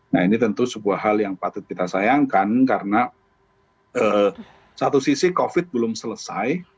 nah ini tentu sebuah hal yang patut kita sayangkan karena satu sisi covid belum selesai